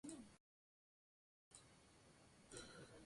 Universidad nacional de Colombia.